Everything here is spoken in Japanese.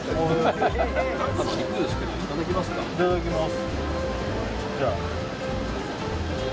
いただきます。